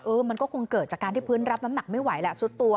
มันก็คงเกิดจากการที่พื้นรับน้ำหนักไม่ไหวแหละซุดตัว